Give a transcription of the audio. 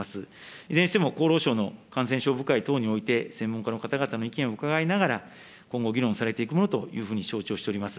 いずれにしても厚労省の感染症部会等において専門家の方々の意見を伺いながら、今後、議論されていくものというふうに承知をしております。